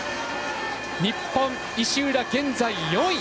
日本、石浦、現在４位。